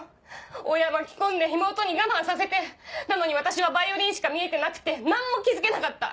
親巻き込んで妹に我慢させてなのに私はヴァイオリンしか見えてなくて何も気付けなかった！